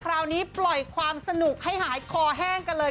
คราวนี้ปล่อยความสนุกให้หายคอแห้งกันเลย